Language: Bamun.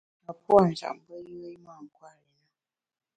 A puâ’ njap mbe yùe i mâ nkwer i na.